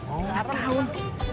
oh empat tahun